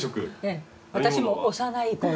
私も幼い頃はい。